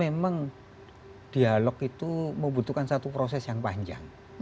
memang dialog itu membutuhkan satu proses yang panjang